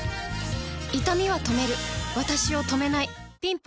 いたみは止めるわたしを止めないぴんぽん